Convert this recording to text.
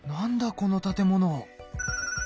この建物。